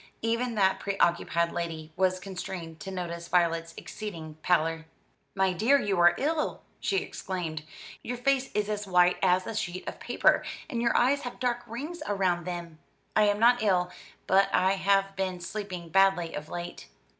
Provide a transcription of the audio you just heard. Even that preoccupied lady was constrained to notice Violet's exceeding pallor. "My dear, you are ill!" she exclaimed. "Your face is as white as a sheet of paper, and your eyes have dark rings around them." "I am not ill, but I have been sleeping badly of late."